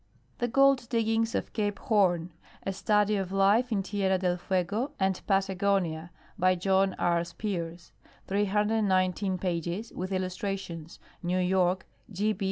The Gold Diggings of Cape Horn: A Study of Life in Tierra del Fuego and Patagonia. By John R. Spears. Pp. 319, with illustrations. New York : G. P.